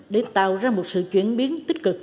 để tạo ra một sự chuyển biến tích cực